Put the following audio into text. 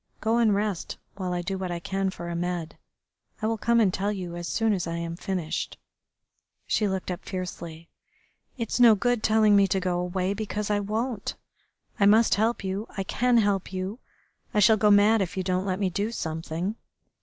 "Go and rest while I do what I can for Ahmed. I will come and tell you as soon as I am finished." She looked up fiercely. "It's no good telling me to go away, because I won't. I must help you. I can help you. I shall go mad if you don't let me do something.